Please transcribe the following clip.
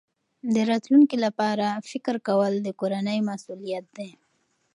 د راتلونکي لپاره فکر کول د کورنۍ مسؤلیت دی.